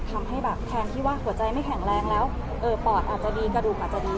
ทำให้แบบแทนที่ว่าหัวใจไม่แข็งแรงแล้วปอดอาจจะดีกระดูกอาจจะดี